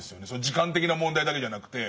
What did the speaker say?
時間的な問題だけじゃなくて。